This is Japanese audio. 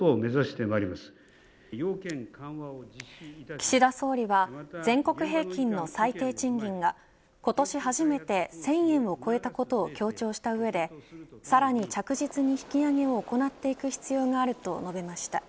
岸田総理は全国平均の最低賃金が今年初めて、１０００円を超えたことを強調した上でさらに着実に引き上げを行っていく必要があると述べました。